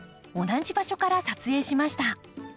同じ場所から撮影しました。